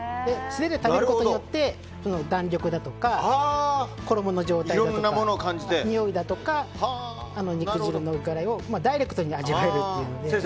素手で食べることによって弾力だとか衣の状態とかにおいだとか肉汁の風味をダイレクトに味わえるっていう。